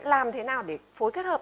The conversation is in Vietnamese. làm thế nào để phối kết hợp